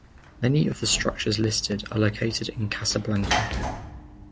Many of the structures listed are located in Casablanca.